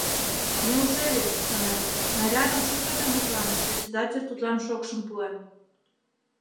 «Неужели, — шонем, — нарядым шуктыдымыжлан председатель тудлан шокшым пуэн?»